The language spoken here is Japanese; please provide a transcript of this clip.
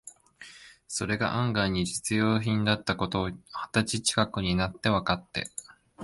それが案外に実用品だった事を、二十歳ちかくになってわかって、